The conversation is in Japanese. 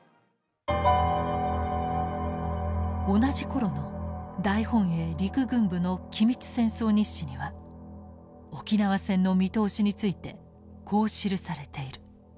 同じ頃の大本営陸軍部の機密戦争日誌には沖縄戦の見通しについてこう記されている。